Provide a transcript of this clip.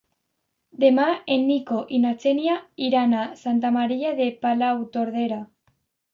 Demà en Nico i na Xènia iran a Santa Maria de Palautordera.